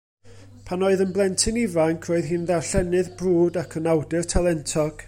Pan oedd yn blentyn ifanc, roedd hi'n ddarllenydd brwd, ac yn awdur talentog.